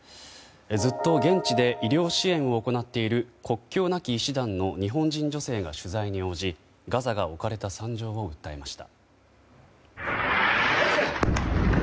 ずっと現地で医療支援を行っている国境なき医師団の日本人女性が取材に応じガザが置かれた惨状を訴えました。